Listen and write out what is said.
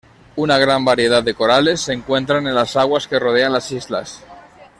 Una gran variedad de corales se encuentran en las aguas que rodean las islas.